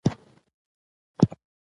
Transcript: چې دا اووه سميسترو کې